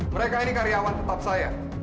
mereka ini karyawan tetap saya